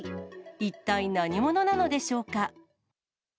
一体、何者なのでしょうか。